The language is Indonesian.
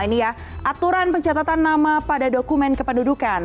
ini ya aturan pencatatan nama pada dokumen kependudukan